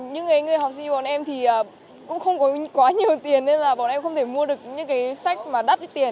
những người học sinh của bọn em thì cũng không có quá nhiều tiền nên là bọn em không thể mua được những cái sách mà đắt tiền